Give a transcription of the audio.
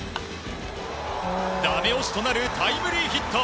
だめ押しとなるタイムリーヒット。